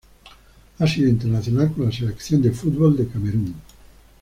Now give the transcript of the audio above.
Ha sido internacional con la selección de fútbol de Camerún.